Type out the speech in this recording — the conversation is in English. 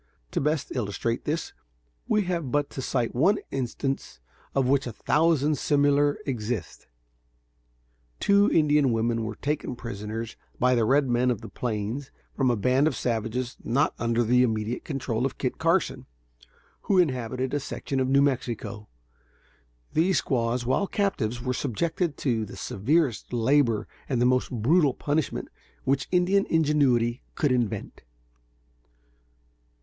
To best illustrate this, we have but to cite one instance of which a thousand similar exist. Two Indian women were taken prisoners by the red men of the plains from a band of savages not under the immediate control of Kit Carson, who inhabited a section of New Mexico. These squaws, while captives, were subjected to the severest labor and the most brutal punishment which Indian ingenuity could invent.